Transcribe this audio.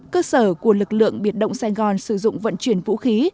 cơ sở của lực lượng biệt động sài gòn sử dụng vận chuyển vũ khí